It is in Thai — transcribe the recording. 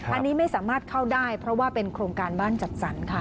อันนี้ไม่สามารถเข้าได้เพราะว่าเป็นโครงการบ้านจัดสรรค่ะ